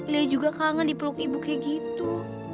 lea juga kangen dipeluk ibu kayak gitu